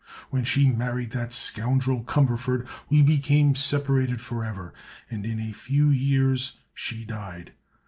When she married that scoundrel Cumberford we became separated forever, and in a few years she died.